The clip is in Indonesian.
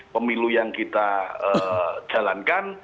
pemilu yang kita jalankan